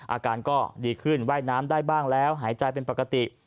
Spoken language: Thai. อาการก็ดีขึ้นว่ายน้ำได้บ้างแล้วหายใจเป็นปกติ